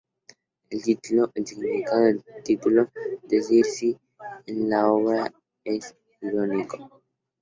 El título: El significado del título "Decir sí" en la obra es irónico.